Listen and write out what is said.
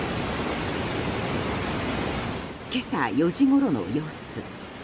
今朝４時ごろの様子。